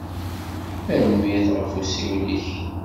Tanemmirt ɣef usiwel-ik.